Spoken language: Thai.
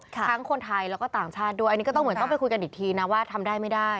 ทั้งคนไทยแล้วก็ต่างชาติด้วยอย่างนี้ก็ต้องว่าต้องไปคุยกันอีกทีว่าทำได้ไม่ได้